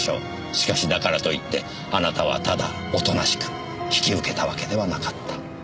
しかしだからといってあなたはただおとなしく引き受けたわけではなかった。